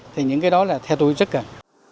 thì những cái đó là theo tôi rất cần